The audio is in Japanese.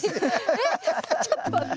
えっちょっと待って。